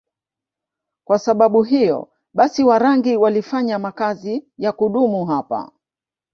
Kwa sababu hiyo basi Warangi walifanya makazi ya kudumu hapa